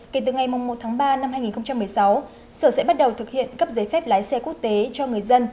kể từ ngày một tháng ba năm hai nghìn một mươi sáu sở sẽ bắt đầu thực hiện cấp giấy phép lái xe quốc tế cho người dân